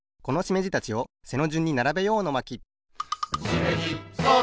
このしめじたちを背のじゅんにならべよう！の巻